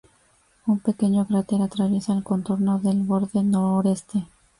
Un pequeño cráter atraviesa el contorno del borde noreste.